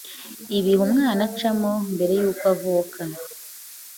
ibihe umwana acamo mbere y’uko avuka,